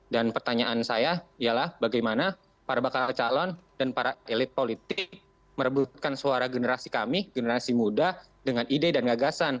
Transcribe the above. dan pertanyaan saya ialah bagaimana para bakal calon dan para elit politik merebutkan suara generasi kami generasi muda dengan ide dan gagasan